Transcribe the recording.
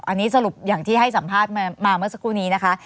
อันนี้สรุปอย่างที่ให้สัมภาษณ์มาเมื่อสักครู่นี้นะคะ